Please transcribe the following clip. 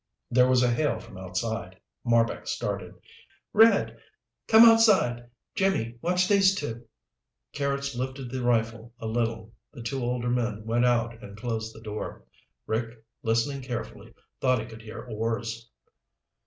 There was a hail from outside. Marbek started. "Red! Come outside. Jimmy, watch these two." Carrots lifted the rifle a little. The two older men went out and closed the door. Rick, listening carefully, thought he could hear oars.